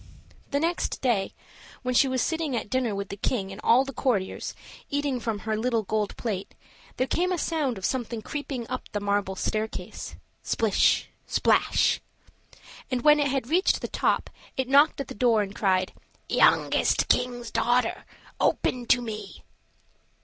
The next day, when she was sitting at dinner with the king and all the courtiers, eating from her little gold plate, there came a sound of something creeping up the marble staircase splish, splash; and when it had reached the top, it knocked at the door and cried, "Youngest king's daughter, open to me."